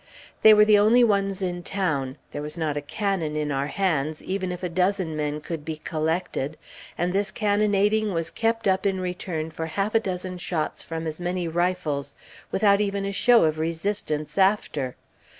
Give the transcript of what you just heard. They were the only ones in town, there was not a cannon in our hands, even if a dozen men could be collected, and this cannonading was kept up in return for half a dozen shots from as many rifles, without even a show of resistance after!